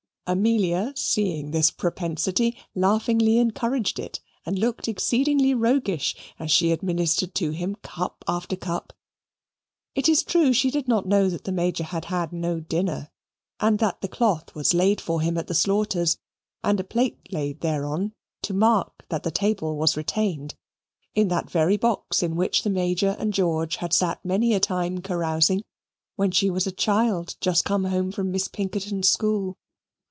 Amelia seeing this propensity, laughingly encouraged it and looked exceedingly roguish as she administered to him cup after cup. It is true she did not know that the Major had had no dinner and that the cloth was laid for him at the Slaughters', and a plate laid thereon to mark that the table was retained, in that very box in which the Major and George had sat many a time carousing, when she was a child just come home from Miss Pinkerton's school.